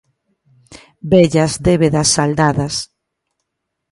Vellas débedas saldadas.